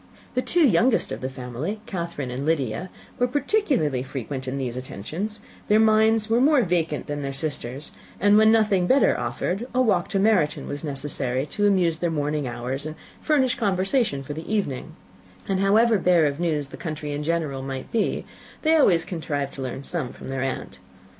The two youngest of the family, Catherine and Lydia, were particularly frequent in these attentions: their minds were more vacant than their sisters', and when nothing better offered, a walk to Meryton was necessary to amuse their morning hours and furnish conversation for the evening; and, however bare of news the country in general might be, they always contrived to learn some from their aunt.